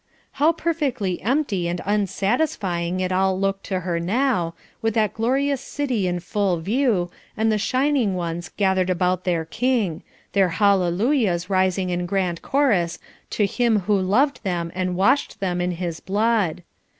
How perfectly empty and unsatisfying it all looked to her now, with that glorious city in full view, and the shining ones gathered about their King; their hallelujahs rising in grand chorus to "Him who loved them and washed them in his blood."